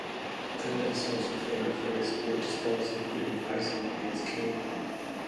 Canada is also famous for its winter sports, including ice hockey and skiing.